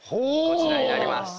こちらになります。